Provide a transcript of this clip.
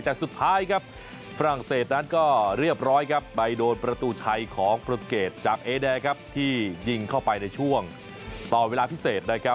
แต่สุดท้ายฝรั่งเศสนั้นเรียบร้อยไปโดนประตูชัยของปรุตุเกตจากเอเดอที่ยิงเข้าไปในช่วงต่อเวลาพิเศษ